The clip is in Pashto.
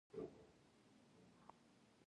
زراعت د افغان ماشومانو د لوبو موضوع ده.